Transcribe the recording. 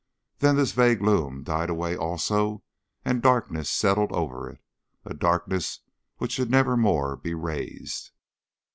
Then this vague loom died away also and darkness settled over it a darkness which should never more be raised.